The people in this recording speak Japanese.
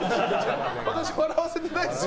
私、笑わせてないですよ。